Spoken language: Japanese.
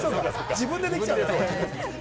自分でできちゃうからね。